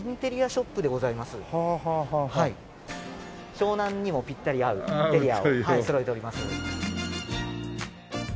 湘南にもピッタリ合うインテリアをそろえております。